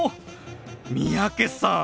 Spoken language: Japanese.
三宅さん